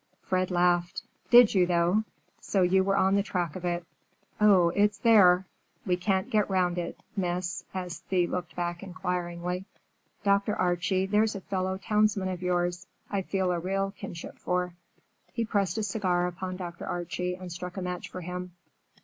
Fred laughed. "Did you, though? So you were on the track of it? Oh, it's there! We can't get round it, miss," as Thea looked back inquiringly. "Dr. Archie, there's a fellow townsman of yours I feel a real kinship for." He pressed a cigar upon Dr. Archie and struck a match for him.